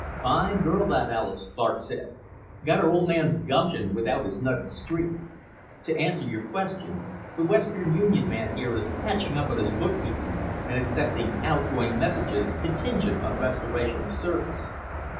"Fine girl, that Alis," Clark said. "Got her old man's gumption without his nutty streak. To answer your question, the Western Union man here is catching up on his bookkeeping and accepting outgoing messages contingent on restoration of service.